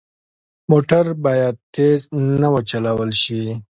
موټر باید تېز نه وچلول شي.